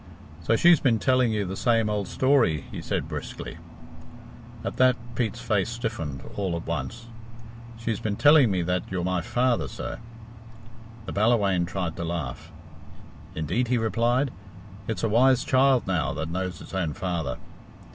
"So she's been telling you the same old story?" he said briskly. • At that Pete's face stiffened all at once. "She's been telling me that you're my father, sir." The Ballawhaine tried to laugh. "Indeed!" he replied; "it's a wise child, now, that knows its own father."